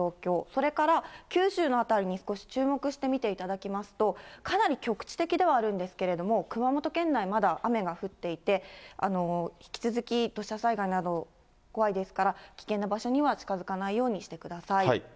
それから九州の辺りに少し注目して見ていただきますと、かなり局地的ではあるんですけれども、熊本県内、まだ雨が降っていて、引き続き土砂災害など、怖いですから、危険な場所には近づかないようにしてください。